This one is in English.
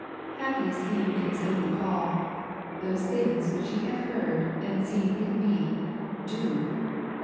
Happy is he who can say with Paul, " Those things which ye have heard and seen in me, do.''